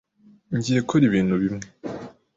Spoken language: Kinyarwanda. Ngiye gukora ibintu bimwe.